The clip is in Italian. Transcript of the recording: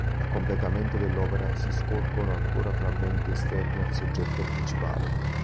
A completamento dell'opera, si scorgono ancora frammenti esterni al soggetto principale.